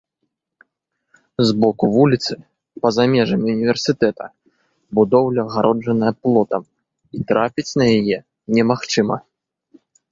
З боку вуліцы, па-за межамі ўніверсітэта, будоўля агароджаная плотам, і трапіць на яе немагчыма.